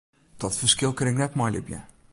Dat ferskil kin ik net mei libje.